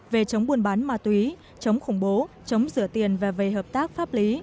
về chống buôn bán ma túy chống khủng bố chống sửa tiền và về hợp tác pháp lý